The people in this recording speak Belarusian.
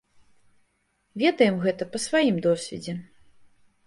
Ведаем гэта па сваім досведзе.